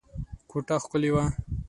کوټه ښکلې وه.